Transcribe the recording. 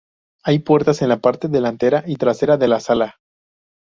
Hay puertas en la parte delantera y trasera de la sala.